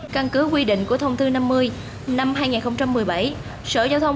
căn cứ quy định của thông tư năm mươi năm hai nghìn một mươi bảy